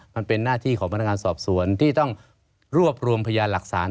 มันเป็นหน้าที่ของพนักงานสอบสวนที่ต้องรวบรวมพยานหลักฐาน